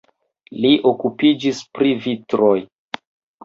Li okupiĝis pri vitroj.